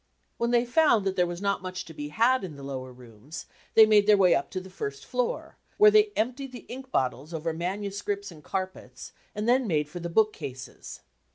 When they found that there was not much to be had in the lower rooms, they made their way up to the first floor, where they emptied the ink bottles over manuscripts and carpets and then made for the book cases.